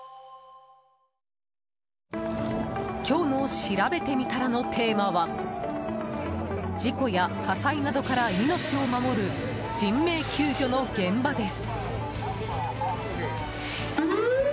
今日のしらべてみたらのテーマは事故や火災などから命を守る人命救助の現場です。